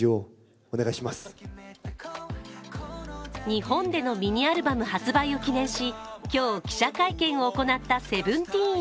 日本でのミニアルバム発売を記念し今日記者会見を行ったＳＥＶＥＮＴＥＥＮ。